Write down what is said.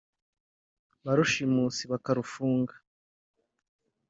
ba rushimusi bakarufunga